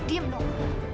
iya diam dong